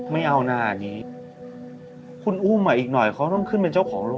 ไม่เอานะนิดคุณอุ้มอ่ะอีกหน่อยเขาต้องขึ้นเป็นเจ้าของร่วงมาก